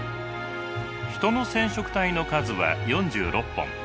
ヒトの染色体の数は４６本。